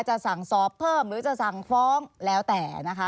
จะสั่งสอบเพิ่มหรือจะสั่งฟ้องแล้วแต่นะคะ